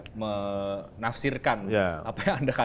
ke dalam ke dalam ke dalam